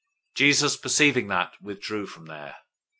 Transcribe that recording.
012:015 Jesus, perceiving that, withdrew from there.